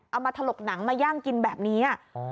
มาถลกหนังมาย่างกินแบบนี้